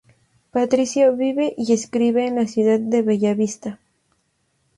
Patricio vive y escribe en la ciudad de Bella Vista.